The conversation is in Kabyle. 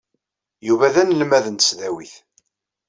Yuba d anelmad n tesdawit.